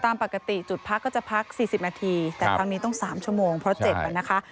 ตามปกติจุดพักก็จะพัก๔๐นาทีแต่ครั้งนี้ต้อง๓ชั่วโมงเพราะเจ็บอ่ะนะคะ